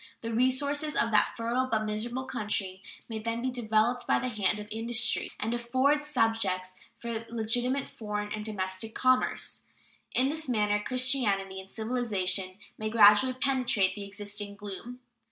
The resources of that fertile but miserable country might then be developed by the hand of industry and afford subjects for legitimate foreign and domestic commerce. In this manner Christianity and civilization may gradually penetrate the existing gloom.